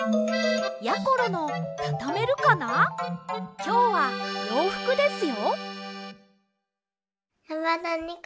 きょうはようふくですよ。